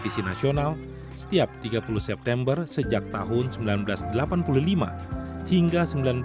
sejak tahun seribu sembilan ratus delapan puluh lima hingga seribu sembilan ratus sembilan puluh tujuh